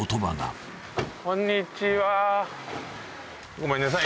・ごめんなさい